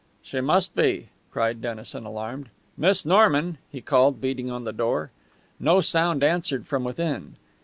"She must be!" cried Dennison, alarmed. "Miss Norman?" he called, beating on the door. No sound answered from within.